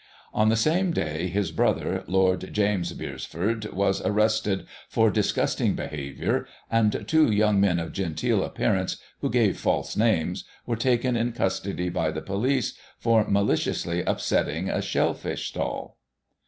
On the same day, his brother. Lord James Beresford, was arrested for disgusting behavioiir, and two "yotmg men of genteel appearance," who gave false names, were taken in custody by the police for maliciously upsetting a shell fish stall.